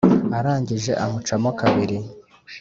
arangije amucamo kabiri